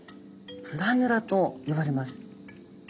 プラヌラと呼ばれます。